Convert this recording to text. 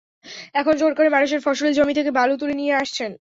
এখন জোর করে মানুষের ফসলি জমি থেকে বালু তুলে নিয়ে আসছেন।